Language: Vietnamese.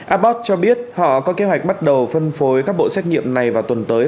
abot cho biết họ có kế hoạch bắt đầu phân phối các bộ xét nghiệm này vào tuần tới